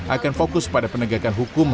akan fokus pada penegakan hukum